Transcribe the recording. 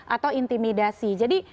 atau intimidasi jadi